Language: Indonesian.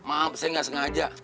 maaf saya gak sengaja